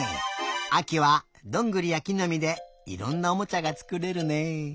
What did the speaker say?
あきはどんぐりやきのみでいろんなおもちゃがつくれるね。